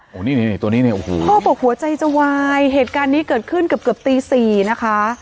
โอ้โหนี่ตัวนี้เนี่ยโอ้โหพ่อบอกหัวใจจะวายเหตุการณ์นี้เกิดขึ้นเกือบเกือบตีสี่นะคะ